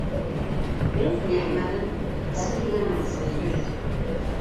Myeḥmmalen asmi llan meẓẓiyit.